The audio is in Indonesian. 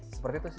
seperti itu sih